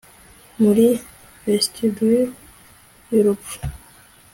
Muri vestibule yurupfu